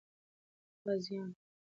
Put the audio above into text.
غازيان به بیا تږي او ستړي نه وي سوي.